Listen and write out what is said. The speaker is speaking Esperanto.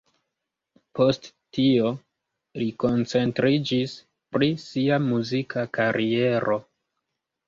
Post tio li koncentriĝis pri sia muzika kariero.